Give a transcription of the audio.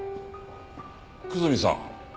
久住さん。